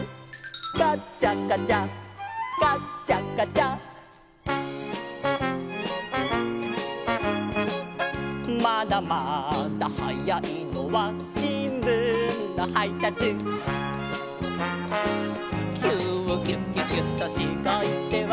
「カチャカチャカチャカチャ」「まだまだはやいのはしんぶんのはいたつ」「キューキュキュキュとしごいては」